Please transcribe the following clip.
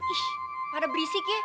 ih pada berisi kan